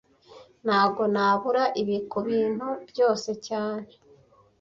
Ntago nabura ibi kubintu byose cyane